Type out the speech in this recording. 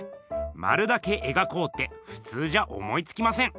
まるだけえがこうってふつうじゃ思いつきません。